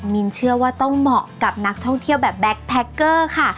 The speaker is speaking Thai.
มินเชื่อว่าต้องเหมาะกับนักท่องเที่ยวแบบแก๊กแพคเกอร์ค่ะ